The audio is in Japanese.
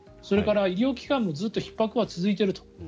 それから医療機関もずっとひっ迫は続いていると。